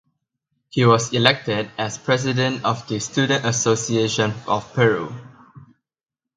He was elected as president of the Student association of Peru.